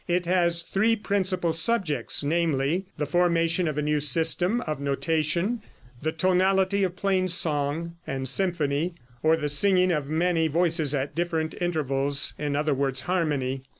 It has three principal subjects, namely: The formation of a new system of notation, the tonality of plain song, and symphony, or the singing of many voices at different intervals in other words, harmony.